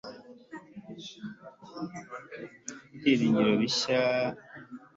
ibyiringiro bishya